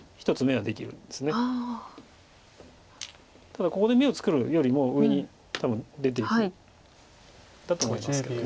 ただここで眼を作るよりも上に多分出ていくんだと思いますけど。